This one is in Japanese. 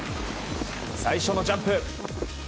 最初のジャンプ。